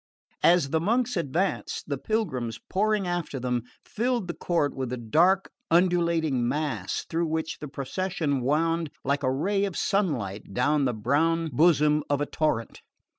As the monks advanced, the pilgrims, pouring after them, filled the court with a dark undulating mass through which the procession wound like a ray of sunlight down the brown bosom of a torrent.